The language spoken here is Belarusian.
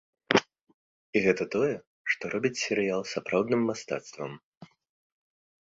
І гэта тое, што робіць серыял сапраўдным мастацтвам.